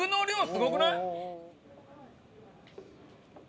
すごくない？